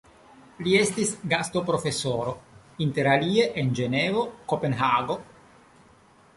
Li estis gastoprofesoro inter alie en Ĝenevo, Kopenhago.